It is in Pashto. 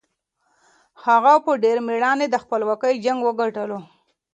هغه په ډېر مېړانه د خپلواکۍ جنګ وګټلو.